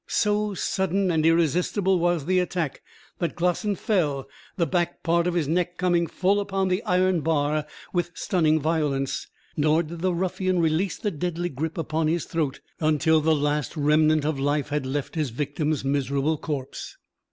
So sudden and irresistible was the attack, that Glossin fell, the back part of his neck coming full upon the iron bar with stunning violence. Nor did the ruffian release the deadly grip upon his throat until the last remnant of life had left his victim's miserable corpse.